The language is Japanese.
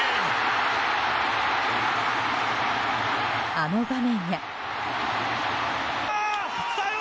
あの場面や。